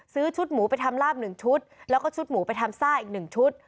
ซื้อชุดหมูไปทำลาบหนึ่งชุดแล้วก็ชุดหมูไปทำซ่าอีกหนึ่งชุด